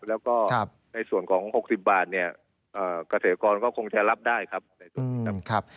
แล้วก็ในส่วนของ๖๐บาทกระเทศกรก็คงจะรับได้ครับ